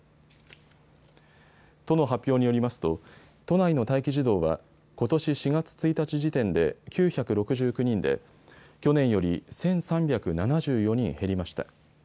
都の発表によりますと都内の待機児童はことし４月１日時点で９６９人で去年より１３７４人減りました。